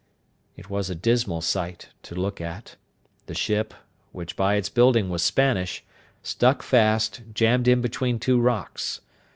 It was a dismal sight to look at; the ship, which by its building was Spanish, stuck fast, jammed in between two rocks.